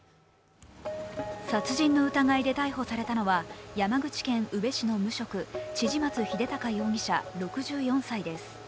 殺人の疑いで逮捕されたのは山口県宇部市の無職、千々松秀高容疑者６４歳です。